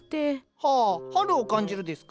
はあ春を感じるですか？